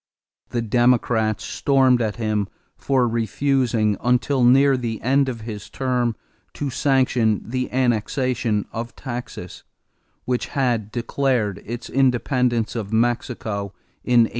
The Democrats stormed at him for refusing, until near the end of his term, to sanction the annexation of Texas, which had declared its independence of Mexico in 1836.